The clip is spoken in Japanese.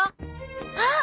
あっ！